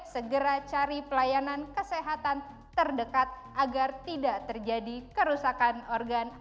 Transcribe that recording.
segera cari pelayanan kesehatan terdekat agar tidak terjadi kerusakan organ